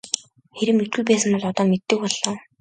Хэрэв мэдэхгүй байсан бол одоо мэддэг боллоо.